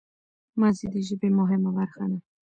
ماضي د ژبي مهمه برخه ده.